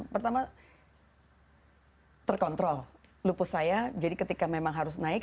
pertama terkontrol lupus saya jadi ketika memang harus naik